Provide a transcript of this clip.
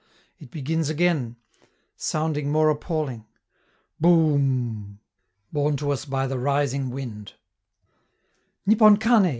It begins again, sounding more appalling: 'Boum!' borne to us by the rising wind. "Nippon Kane!"